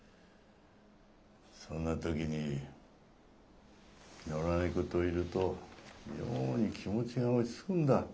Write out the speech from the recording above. そんな時に野良猫といると妙に気持ちが落ち着くんだ。